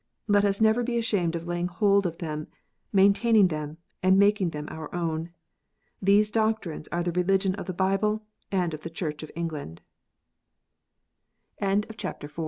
Let us never be ashamed of laying hold of them, main taining them, and making them our own. Those doctrines are the religion of the Bible and of the Church of England ! V.